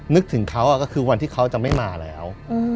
นึกถึงเขาก็คือวันที่เขาจะไม่มาแล้ว